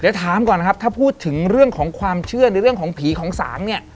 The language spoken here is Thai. เดี๋ยวถามก่อนนะครับถ้าพูดถึงเรื่องของความเชื่อในเรื่องของผีของสางเนี่ย